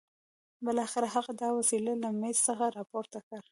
بالاخره هغه دا وسيله له مېز څخه راپورته کړه.